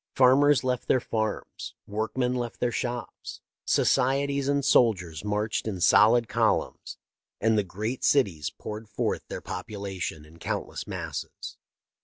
Farmers left their farms, workmen left their shops, societies and soldiers marched in solid columns, and the great cities poured forth their population in countless masses.